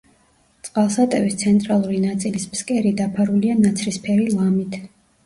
წყალსატევის ცენტრალური ნაწილის ფსკერი დაფარულია ნაცრისფერი ლამით.